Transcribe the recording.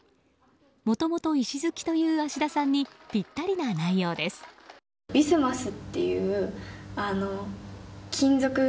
もともと石好きという芦田さんにぴったりな内容です。